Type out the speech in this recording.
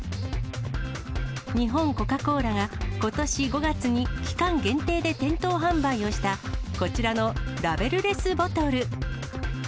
日本コカ・コーラが、ことし５月に期間限定で店頭販売をした、こちらのラベルレスボトル。